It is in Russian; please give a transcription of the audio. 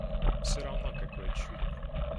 Все равно какое чудо.